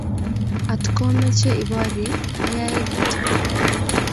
Atkomemoche iborye, ayae kityo